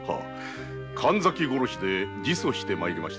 神崎殺しで自訴してきました